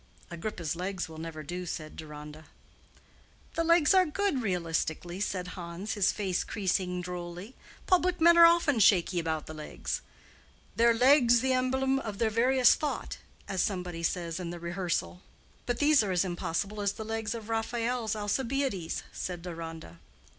"Agrippa's legs will never do," said Deronda. "The legs are good realistically," said Hans, his face creasing drolly; "public men are often shaky about the legs—' Their legs, the emblem of their various thought,' as somebody says in the Rehearsal." "But these are as impossible as the legs of Raphael's Alcibiades," said Deronda.